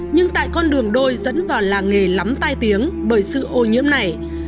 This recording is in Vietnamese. nhưng tại con đường đôi dẫn vào làng nghề lắm tai tiếng bởi sự ô nhiễm này